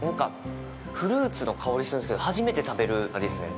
フルーツの香りするんですけど初めて食べる味ですね。